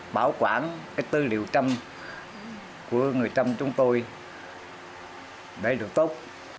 bảo quản cái tư liệu trăm của người trăm chúng tôi để được tốt